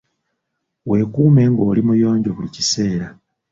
Weekuume ng'oli muyonjo buli kiseera.